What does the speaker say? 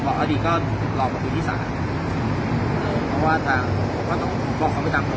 บอกอะดีก็รอบุคลิปที่สารเออเพราะว่าจ้ะบอกเขาไปจับผม